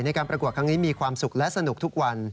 การประกวดครั้งนี้มีความสุขและสนุกทุกวัน